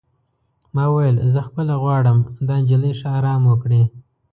ما وویل: زه خپله غواړم دا نجلۍ ښه ارام وکړي.